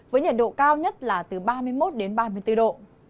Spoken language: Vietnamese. với nhật độ cao nhất là từ ba mươi một ba mươi bốn độ